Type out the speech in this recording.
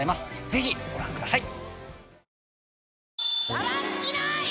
是非ご覧ください。